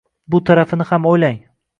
Bu tarafini ham o‘ylang.